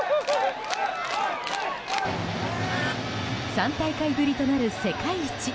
３大会ぶりとなる世界一。